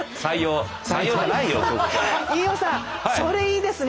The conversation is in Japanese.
飯尾さんそれいいですね。